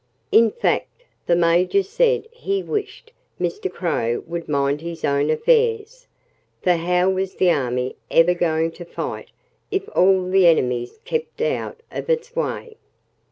In fact, the Major said he wished Mr. Crow would mind his own affairs. For how was the army ever going to fight, if all the enemies kept out of its way?